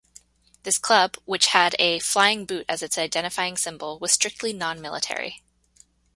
This club, which had a "Flying Boot" as its identifying symbol, was strictly non-military.